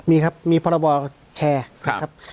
มีครับมีพรบแชร์นะครับ